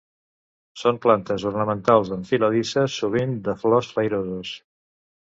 Són plantes ornamentals enfiladisses sovint de flors flairoses.